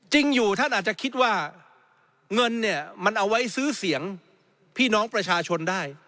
จริงอยู่ท่านอาจจะคิดว่าเงินเนี่ยมันเอาไว้ซื้อเสียงพี่น้องประชาชนได้